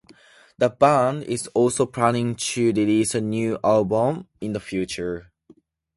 The band is also planning to release a new album in the future.